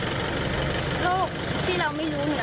โรคที่เราไม่รู้เหมือนกับโรค